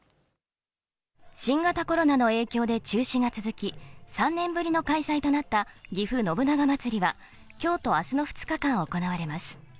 新型コロナの影響で中止が続き、３年ぶりの開催となった、ぎふ信長まつりは、きょうとあすの２日間、行われます。